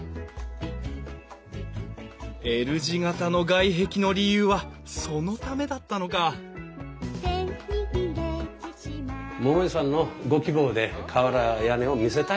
Ｌ字形の外壁の理由はそのためだったのか桃井さんのご希望で瓦屋根を見せたいと。